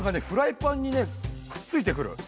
フライパンにねくっついてくる。